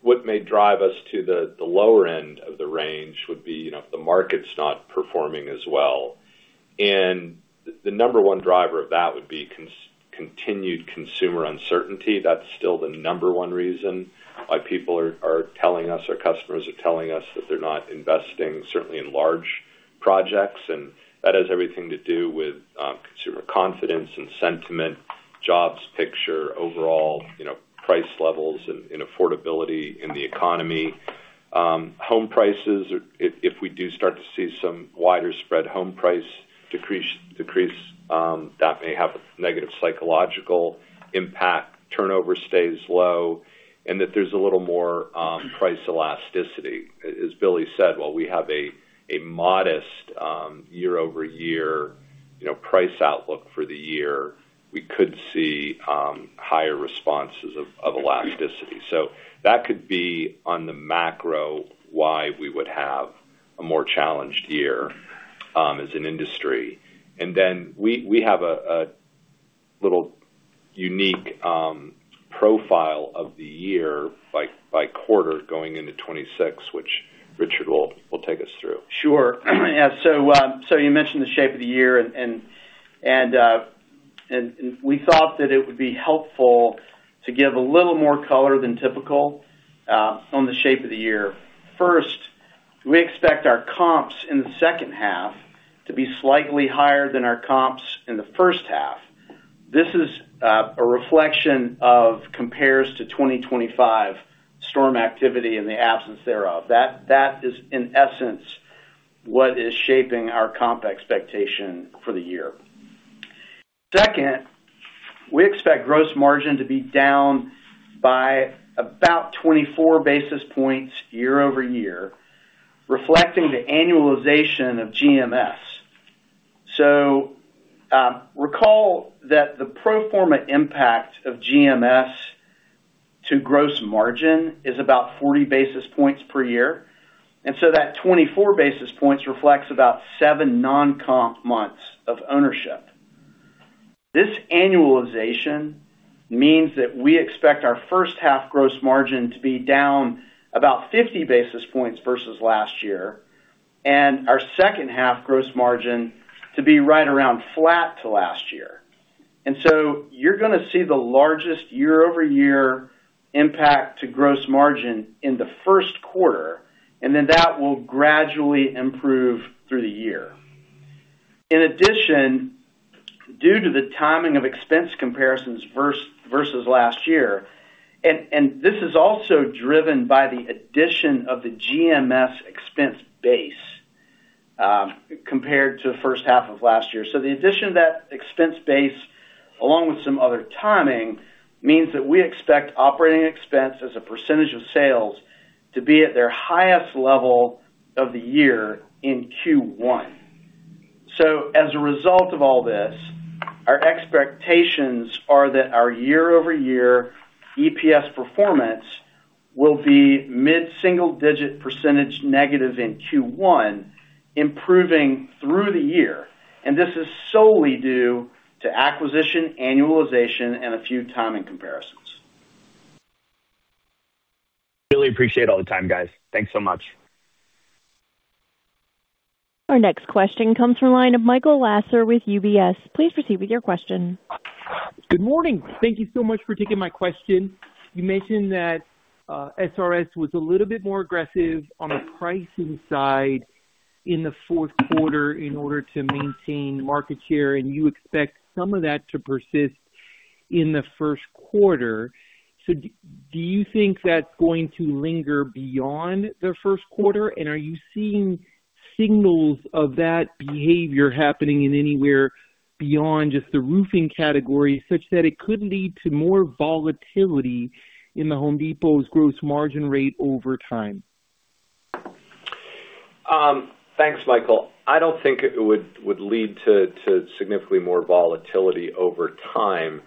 What may drive us to the lower end of the range would be, you know, if the market's not performing as well. The number 1 driver of that would be continued consumer uncertainty. That's still the number 1 reason why people are telling us, our customers are telling us, that they're not investing, certainly in large projects. That has everything to do with consumer confidence and sentiment, jobs picture, overall, you know, price levels and affordability in the economy. Home prices, if we do start to see some wider spread home price decrease, that may have a negative psychological impact. Turnover stays low, and that there's a little more price elasticity. As Billy said, while we have a modest, year-over-year, you know, price outlook for the year, we could see higher responses of elasticity. That could be on the macro, why we would have a more challenged year as an industry. We have a little unique profile of the year by quarter, going into 2026, which Richard will take us through. Sure. Yeah, you mentioned the shape of the year, and we thought that it would be helpful to give a little more color than typical on the shape of the year. First, we expect our comps in the second half to be slightly higher than our comps in the first half this is a reflection of compares to 2025 storm activity in the absence thereof. That is, in essence, what is shaping our comp expectation for the year. Second, we expect gross margin to be down by about 24 basis points year-over-year, reflecting the annualization of GMS. Recall that the pro forma impact of GMS to gross margin is about 40 basis points per year, and so that 24 basis points reflects about seven non-comp months of ownership. This annualization means that we expect our first half gross margin to be down about 50 basis points versus last year, and our second half gross margin to be right around flat to last year. You're gonna see the largest year-over-year impact to gross margin in the first quarter, and then that will gradually improve through the year. In addition, due to the timing of expense comparisons versus last year, and this is also driven by the addition of the GMS expense base, compared to the first half of last year. The addition of that expense base, along with some other timing, means that we expect operating expense as a % of sales, to be at their highest level of the year in Q1. As a result of all this, our expectations are that our year-over-year EPS performance will be mid-single digit % negative in Q1, improving through the year. This is solely due to acquisition, annualization, and a few timing comparisons. Really appreciate all the time, guys. Thanks so much. Our next question comes from the line of Michael Lasser with UBS. Please proceed with your question. Good morning. Thank you so much for taking my question. You mentioned that SRS was a little bit more aggressive on the pricing side in the fourth quarter in order to maintain market share, and you expect some of that to persist in the first quarter. Do you think that's going to linger beyond the first quarter? Are you seeing signals of that behavior happening in anywhere beyond just the roofing category, such that it could lead to more volatility in Home Depot's gross margin rate over time? Thanks, Michael. I don't think it would lead to significantly more volatility over time.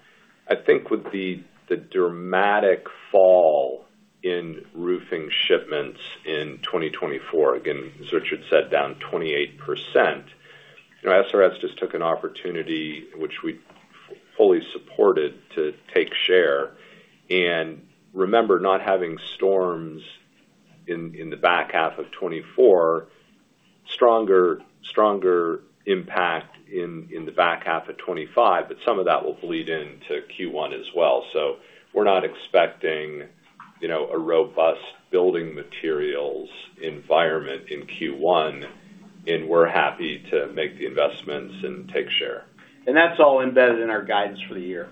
I think with the dramatic fall in roofing shipments in 2024, again, Richard said, down 28%, you know, SRS just took an opportunity which we fully supported to take share. Remember, not having storms in the back half of 2024, stronger impact in the back half of 2025, but some of that will bleed into Q1 as well. We're not expecting, you know, a robust building materials environment in Q1, and we're happy to make the investments and take share. That's all embedded in our guidance for the year.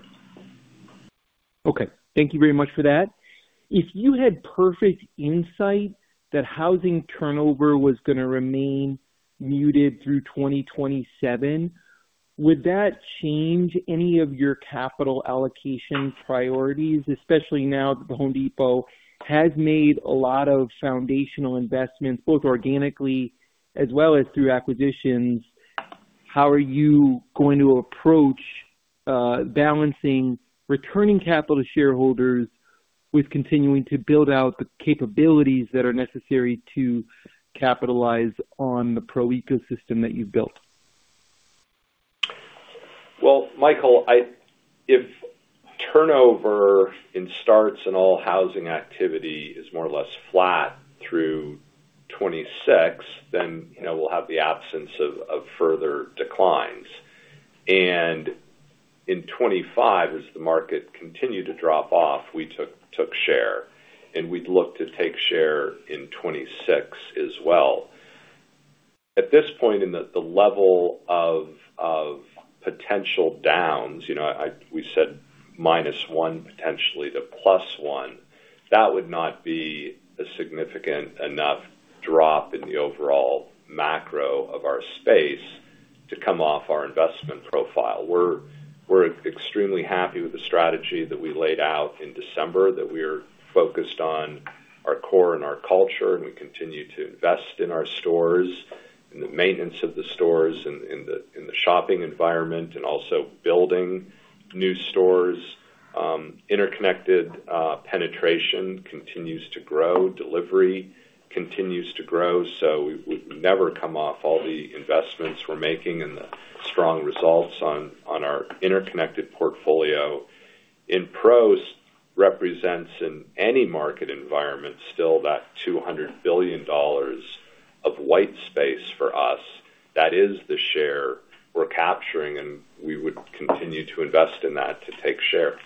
Okay, thank you very much for that. If you had perfect insight that housing turnover was gonna remain muted through 2027, would that change any of your capital allocation priorities, especially now that The Home Depot has made a lot of foundational investments, both organically as well as through acquisitions? How are you going to approach balancing returning capital to shareholders with continuing to build out the capabilities that are necessary to capitalize on the pro ecosystem that you've built? Well, Michael, if turnover in starts and all housing activity is more or less flat through 2026, then, you know, we'll have the absence of further declines. In 2025, as the market continued to drop off, we took share, and we'd look to take share in 2026 as well. At this point, in the level of potential downs, you know, we said -1, potentially to +1, that would not be a significant enough drop in the overall macro of our space to come off our investment profile. We're extremely happy with the strategy that we laid out in December, that we are focused on our core and our culture, and we continue to invest in our stores, in the maintenance of the stores, in the shopping environment, and also building new stores. Interconnected penetration continues to grow, delivery continues to grow, we would never come off all the investments we're making and the strong results on our interconnected portfolio. In pros, represents in any market environment, still that $200 billion of white space for us. That is the share we're capturing, we would continue to invest in that to take share.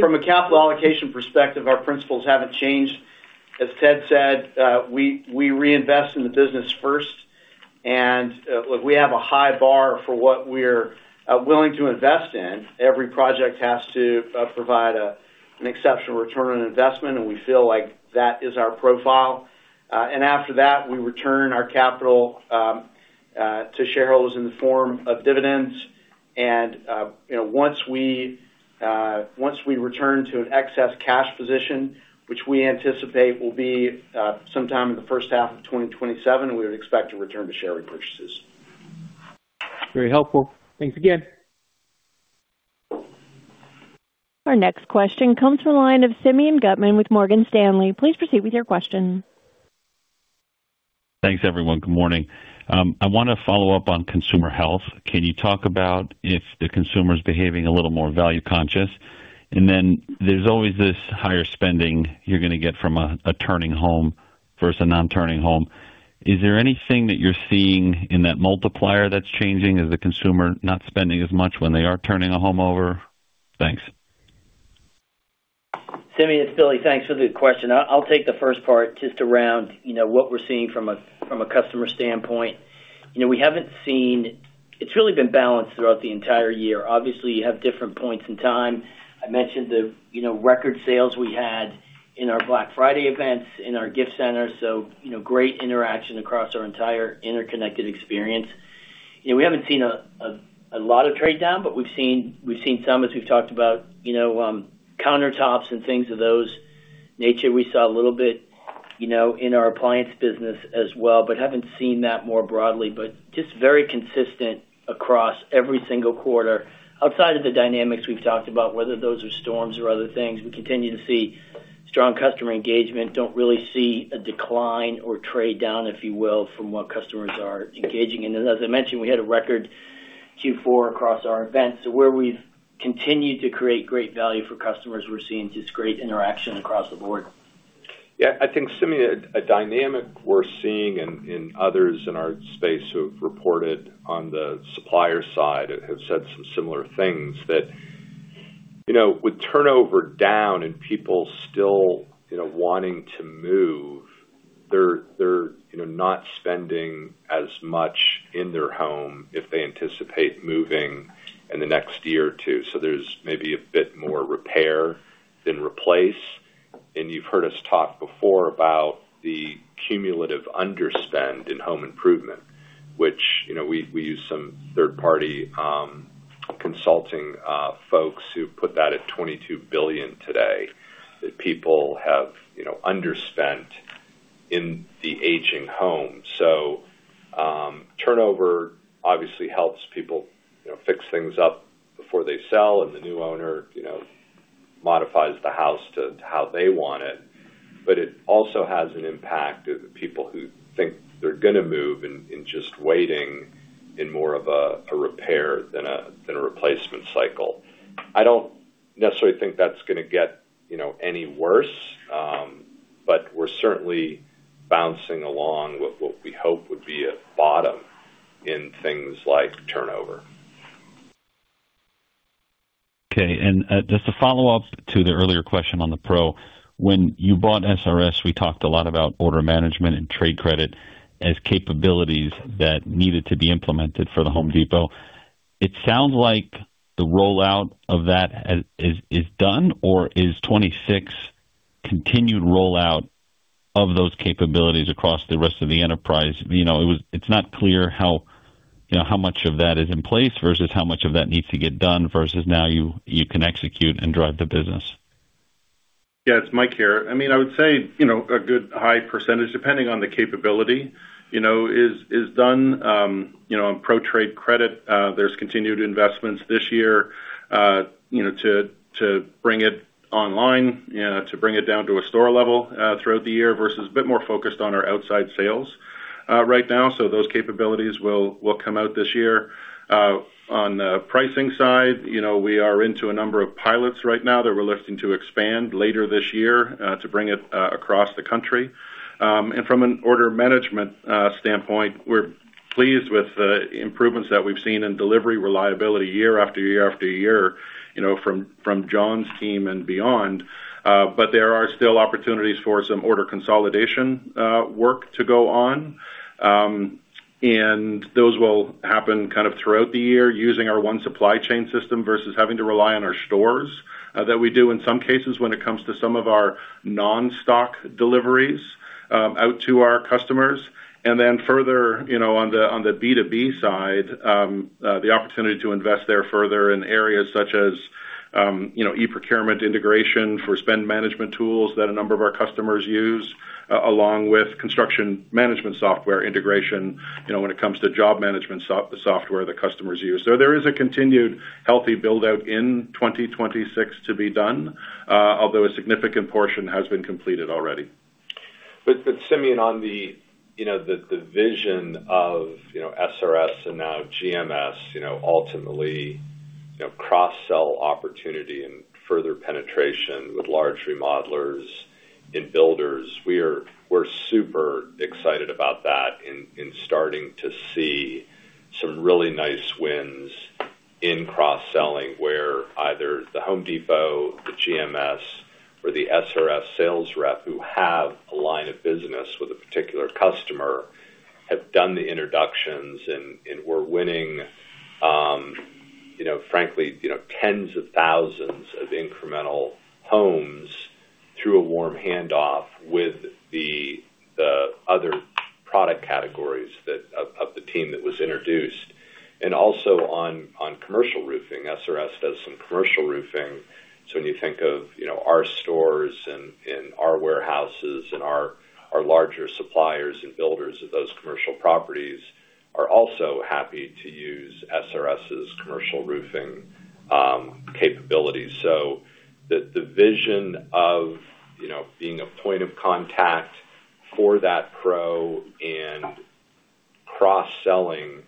From a capital allocation perspective, our principles haven't changed. As Ted Decker said, we reinvest in the business first, look, we have a high bar for what we're willing to invest in. Every project has to provide an exceptional return on investment, we feel like that is our profile. After that, we return our capital to shareholders in the form of dividends. You know, once we, once we return to an excess cash position, which we anticipate will be, sometime in the first half of 2027, we would expect to return to share repurchases. Very helpful. Thanks again. Our next question comes from the line of Simeon Gutman with Morgan Stanley. Please proceed with your question. Thanks, everyone. Good morning. I wanna follow up on consumer health. Can you talk about if the consumer is behaving a little more value-conscious? There's always this higher spending you're gonna get from a turning home versus a non-turning home. Is there anything that you're seeing in that multiplier that's changing? Is the consumer not spending as much when they are turning a home over? Thanks. Simeon, it's Billy. Thanks for the question. I'll take the first part just around, you know, what we're seeing from a, from a customer standpoint. You know, we haven't seen. It's really been balanced throughout the entire year. Obviously, you have different points in time. I mentioned the, you know, record sales we had in our Black Friday events, in our gift center, so, you know, great interaction across our entire interconnected experience. You know, we haven't seen a lot of trade down, but we've seen some, as we've talked about, you know, countertops and things of those nature. We saw a little bit, you know, in our appliance business as well, but haven't seen that more broadly, but just very consistent across every single quarter. Outside of the dynamics we've talked about, whether those are storms or other things, we continue to see strong customer engagement. Don't really see a decline or trade down, if you will, from what customers are engaging in. As I mentioned, we had a record Q4 across our events. Where we've continued to create great value for customers, we're seeing just great interaction across the board. Yeah, I think, Simeon, a dynamic we're seeing in others in our space who have reported on the supplier side and have said some similar things, that, you know, with turnover down and people still, you know, wanting to move, they're, you know, not spending as much in their home if they anticipate moving in the next year or two. There's maybe a bit more repair than replace. You've heard us talk before about the cumulative underspend in home improvement, which, you know, we use some third-party consulting folks who put that at $22 billion today, that people have, you know, underspent in the aging home. Turnover obviously helps people, you know, fix things up before they sell, and the new owner, you know, modifies the house to how they want it. It also has an impact of the people who think they're gonna move and just waiting in more of a repair than a, than a replacement cycle. I don't necessarily think that's gonna get, you know, any worse, but we're certainly bouncing along what we hope would be a bottom in things like turnover. Okay, just a follow-up to the earlier question on the Pro. When you bought SRS, we talked a lot about order management and trade credit as capabilities that needed to be implemented for The Home Depot. It sounds like the rollout of that is done, or is 2026 continued rollout of those capabilities across the rest of the enterprise? You know, it's not clear how, you know, how much of that is in place versus how much of that needs to get done, versus now you can execute and drive the business. Yeah, it's Mike here. I mean, I would say, you know, a good high percentage, depending on the capability, you know, is done. You know, in Pro trade credit, there's continued investments this year, you know, to bring it online, to bring it down to a store level throughout the year versus a bit more focused on our outside sales right now. Those capabilities will come out this year. On the pricing side, you know, we are into a number of pilots right now that we're looking to expand later this year, to bring it across the country. From an order management standpoint, we're pleased with the improvements that we've seen in delivery reliability year after year after year, you know, from John's team and beyond. There are still opportunities for some order consolidation work to go on. Those will happen kind of throughout the year using our One Supply Chain system versus having to rely on our stores that we do in some cases when it comes to some of our non-stock deliveries out to our customers. Further, you know, on the B2B side, the opportunity to invest there further in areas such as, you know, e-procurement integration for spend management tools that a number of our customers use, along with construction management software integration, you know, when it comes to job management software that customers use. There is a continued healthy build-out in 2026 to be done, although a significant portion has been completed already. Simeon, on the, you know, the vision of, you know, SRS and now GMS, you know, ultimately, you know, cross-sell opportunity and further penetration with large remodelers in builders, we're super excited about that in starting to see some really nice wins in cross-selling, where either The Home Depot, the GMS, or the SRS sales rep, who have a line of business with a particular customer, have done the introductions And we're winning, you know, frankly, you know, tens of thousands of incremental homes through a warm handoff with the other product categories that of the team that was introduced. Also on commercial roofing, SRS does some commercial roofing. When you think of, you know, our stores and our warehouses and our larger suppliers and builders of those commercial properties are also happy to use SRS's commercial roofing capabilities. The vision of, you know, being a point of contact for that Pro and cross-selling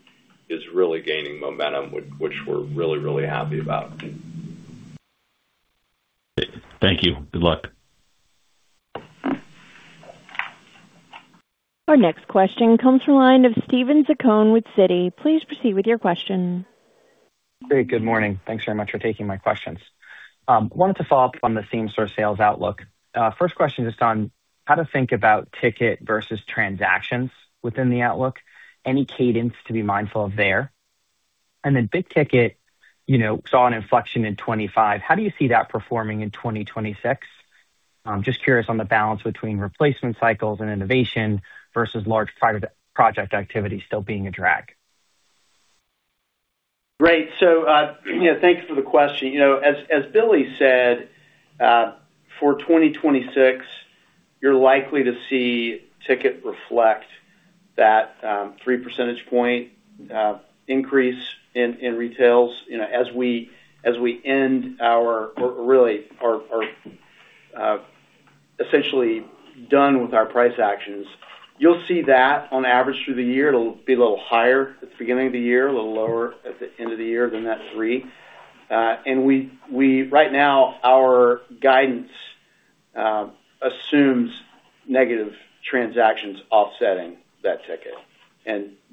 is really gaining momentum, which we're really happy about. Thank you. Good luck. Our next question comes from the line of Steven Zaccone with Citigroup. Please proceed with your question. Great. Good morning. Thanks very much for taking my questions. Wanted to follow up on the same store sales outlook. First question, just on how to think about ticket versus transactions within the outlook. Any cadence to be mindful of there? Big ticket, you know, saw an inflection in 25. How do you see that performing in 2026? Just curious on the balance between replacement cycles and innovation versus large private project activity still being a drag. Great. You know, thank you for the question. You know, as Billy said, for 2026, you're likely to see ticket reflect that three percentage point increase in retails. You know, as we end our, or really, our essentially done with our price actions, you'll see that on average through the year. It'll be a little higher at the beginning of the year, a little lower at the end of the year than that 3. Right now, our guidance assumes negative transactions offsetting that ticket.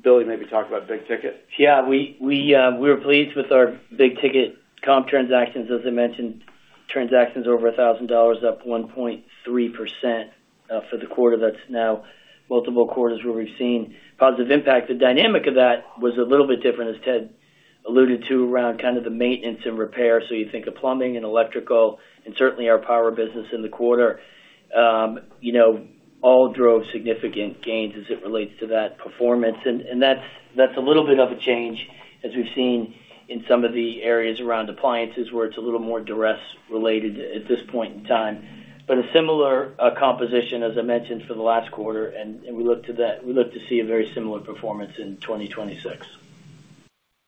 Billy, maybe talk about big ticket. Yeah, we're pleased with our big ticket comp transactions. As I mentioned, transactions over $1,000, up 1.3% for the quarter. That's now multiple quarters where we've seen positive impact. The dynamic of that was a little bit different, as Ted alluded to, around kind of the maintenance and repair. You think of plumbing and electrical, and certainly our power business in the quarter, you know, all drove significant gains as it relates to that performance. That's a little bit of a change as we've seen in some of the areas around appliances, where it's a little more duress related at this point in time. A similar composition, as I mentioned, for the last quarter, and we look to see a very similar performance in 2026.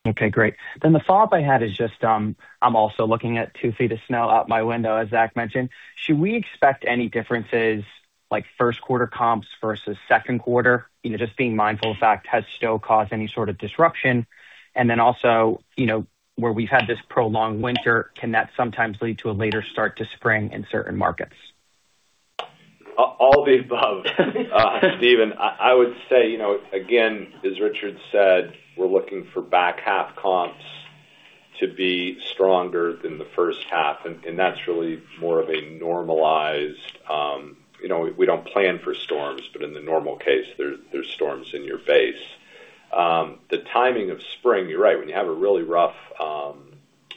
Okay, great. The follow-up I had is just, I'm also looking at two feet of snow out my window, as Zach mentioned. Should we expect any differences like first quarter comps versus second quarter? You know, just being mindful of the fact, has snow caused any sort of disruption? Also, you know, where we've had this prolonged winter, can that sometimes lead to a later start to spring in certain markets? All the above, Steven. I would say, you know, again, as Richard said, we're looking for back half comps to be stronger than the first half. That's really more of a normalized. You know, we don't plan for storms, but in the normal case, there's storms in your base. The timing of spring, you're right. When you have a really rough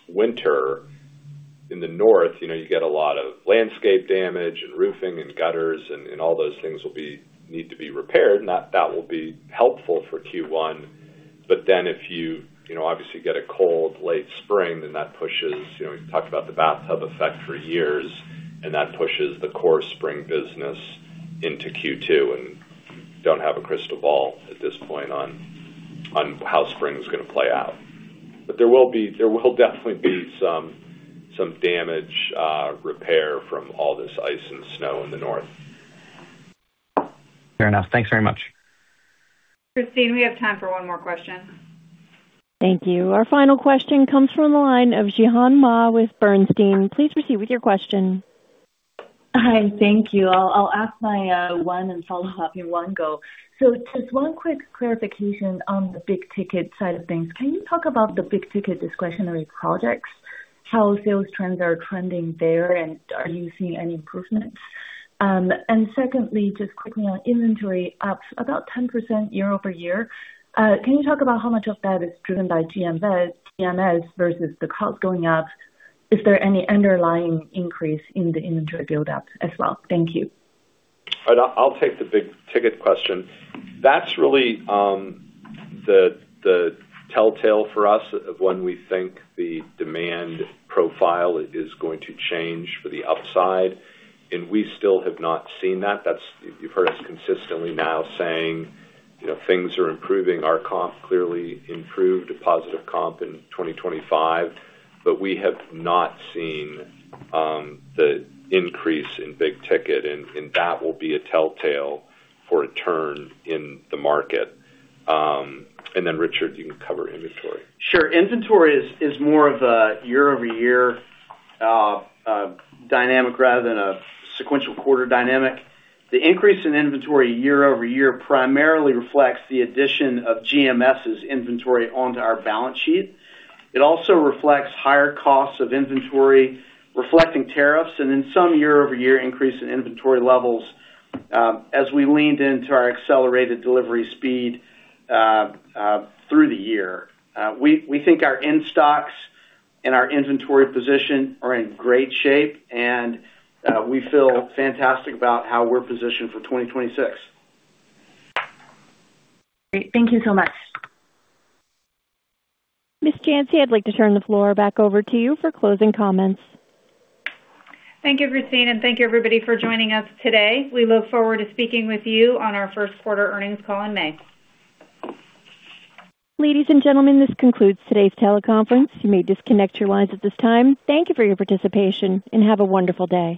winter in the north, you know, you get a lot of landscape damage and roofing and gutters. All those things need to be repaired. That will be helpful for Q1. If you know, obviously get a cold, late spring, then that pushes, you know, we've talked about the bathtub effect for years, and that pushes the core spring business into Q2. Don't have a crystal ball at this point on how spring is gonna play out. There will definitely be some damage, repair from all this ice and snow in the north. Fair enough. Thanks very much. Christine, we have time for one more question. Thank you. Our final question comes from the line of Zhihan Ma with Bernstein. Please proceed with your question. Hi, thank you. I'll ask my one and follow-up in one go. Just one quick clarification on the big ticket side of things. Can you talk about the big ticket discretionary projects, how sales trends are trending there, and are you seeing any improvement? And secondly, just quickly on inventory, up about 10% year-over-year. Can you talk about how much of that is driven by GMS versus the cost going up? Is there any underlying increase in the inventory buildup as well? Thank you. I'll take the big ticket question. That's really the telltale for us of when we think the demand profile is going to change for the upside, and we still have not seen that. You've heard us consistently now saying, you know, things are improving. Our comp clearly improved, a positive comp in 2025, but we have not seen the increase in big ticket, and that will be a telltale for a turn in the market. Richard, you can cover inventory. Sure. Inventory is more of a year-over-year dynamic rather than a sequential quarter dynamic. The increase in inventory year-over-year primarily reflects the addition of GMS's inventory onto our balance sheet. It also reflects higher costs of inventory, reflecting tariffs, and in some year-over-year, increase in inventory levels, as we leaned into our accelerated delivery speed through the year. We think our in-stocks and our inventory position are in great shape, and we feel fantastic about how we're positioned for 2026. Great. Thank you so much. Miss Janci, I'd like to turn the floor back over to you for closing comments. Thank you, Christine, and thank you, everybody, for joining us today. We look forward to speaking with you on our first quarter earnings call in May. Ladies and gentlemen, this concludes today's teleconference. You may disconnect your lines at this time. Thank you for your participation, and have a wonderful day.